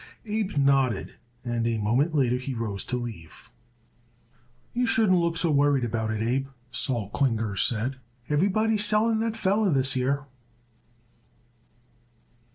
Abe nodded, and a moment later he rose to leave. "You shouldn't look so worried about it, Abe," Sol Klinger said. "Everybody is selling that feller this year."